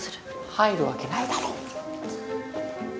入るわけないだろ。